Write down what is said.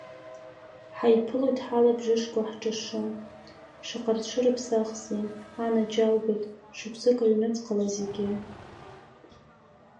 Ҳаиԥылоит ҳалабжышқәа ҳҿашы, шаҟа рҽырԥсахзеи, анаџьалбеит, шықәсык аҩнуҵҟала зегьы!